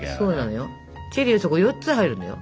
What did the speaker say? チェリーはそこ４つ入るんだよ。